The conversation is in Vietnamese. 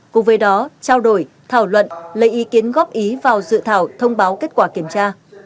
cùng với đó trao đổi thảo luận lấy ý kiến góp ý vào dự thảo thông báo kết quả kiểm tra